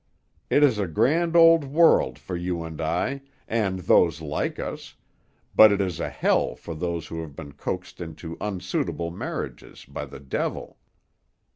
It is a grand old world for you and I, and those like us, but it is a hell for those who have been coaxed into unsuitable marriages by the devil."